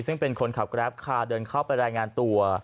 ซึ่งเป็นคนขับแกรปคาเดินเข้าไปรายงานตัว